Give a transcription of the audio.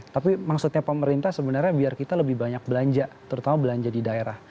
tapi maksudnya pemerintah sebenarnya biar kita lebih banyak belanja terutama belanja di daerah